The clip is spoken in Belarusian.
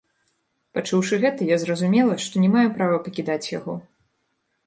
Пачуўшы гэта, я зразумела, што не маю права пакідаць яго.